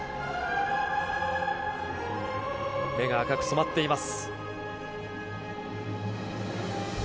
目が赤く染まっています。